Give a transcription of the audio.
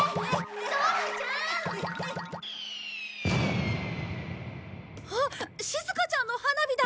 ドラちゃん！あっしずかちゃんの花火だ！